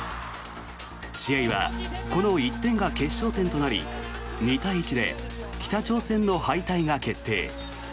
試合はこの１点が決勝点となり２対１で北朝鮮の敗退が決定。